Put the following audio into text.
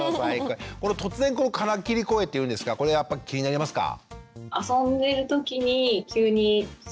突然この金切り声っていうんですかこれやっぱ気になりますか？